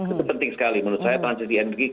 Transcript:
itu penting sekali menurut saya transisi energi